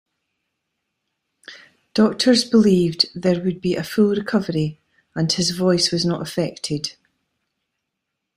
Doctors believed there would be a full recovery, and his voice was not affected.